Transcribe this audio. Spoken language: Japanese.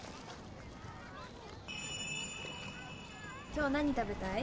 今日何食べたい？